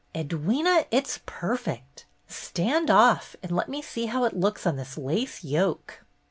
Edwyna, it's perfect! Stand off, and let me see how it looks on this lace yoke."